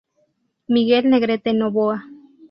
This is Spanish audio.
Miguel Negrete Novoa.